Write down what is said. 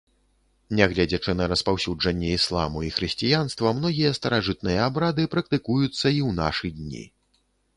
Нягледзячы на распаўсюджанне ісламу і хрысціянства, многія старажытныя абрады практыкуюцца і ў нашы дні.